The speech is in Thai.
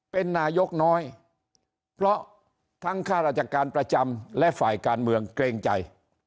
เป็นนายกน้อยเพราะทั้งข้าราชการประจำและฝ่ายการเมืองเกรงใจ